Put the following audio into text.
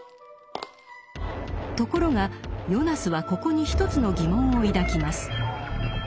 ところがヨナスはここに一つの疑問を抱きます。